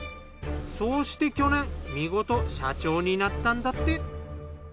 そうして去年みごと社長になったんだって。